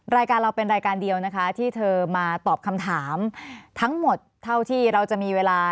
รายการเราเป็นรายการเดียวนะคะที่เธอมาตอบคำถามทั้งหมดเท่าที่เราจะมีเวลา